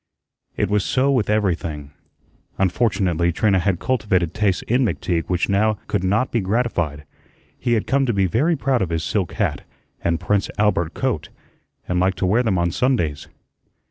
It was so with everything. Unfortunately, Trina had cultivated tastes in McTeague which now could not be gratified. He had come to be very proud of his silk hat and "Prince Albert" coat, and liked to wear them on Sundays.